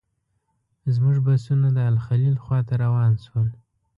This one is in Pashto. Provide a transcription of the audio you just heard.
زموږ بسونه د الخلیل خواته روان شول.